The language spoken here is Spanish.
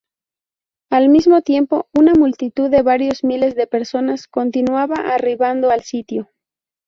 Al mismo tiempo, una multitud de varios miles de personas continuaba arribando al sitio.